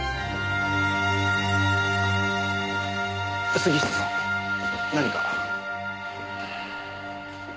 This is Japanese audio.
杉下さん何か？